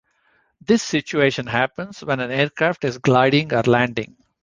This situation happens when an aircraft is gliding or landing.